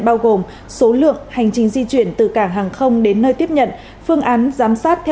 bao gồm số lượng hành trình di chuyển từ cảng hàng không đến nơi tiếp nhận phương án giám sát theo